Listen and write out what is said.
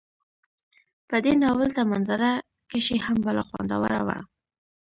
په دې ناول ته منظره کشي هم بلا خوندوره وه